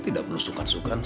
tidak perlu sukan sukan